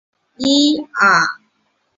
曾祖父刘旺。